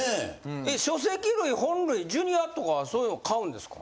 書籍類・本類ジュニアとかはそういうの買うんですか？